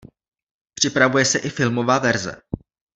Připravuje se i filmová verze.